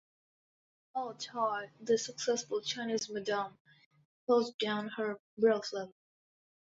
Ah Toy, the successful Chinese madam, closed down her brothel.